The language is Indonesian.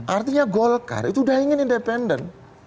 artinya golkar itu udah ingin independen